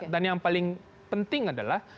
yang paling penting adalah